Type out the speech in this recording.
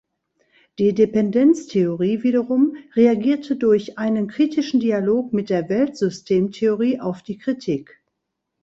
Die Dependenztheorie wiederum reagierte durch einen kritischen Dialog mit der Weltsystem-Theorie auf die Kritik.